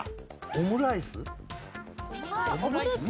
オムライス？